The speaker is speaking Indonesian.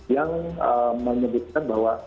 yang menyebutkan bahwa